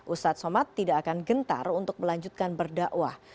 ustadz somad tidak akan gentar untuk melanjutkan berdakwah